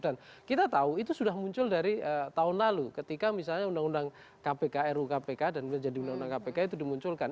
dan kita tahu itu sudah muncul dari tahun lalu ketika misalnya undang undang kpk ru kpk dan menjadi undang undang kpk itu dimunculkan